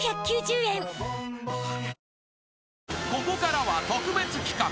［ここからは特別企画。